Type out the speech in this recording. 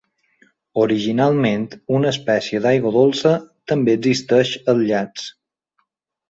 Originalment una espècie d'aigua dolça, també existeix als llacs.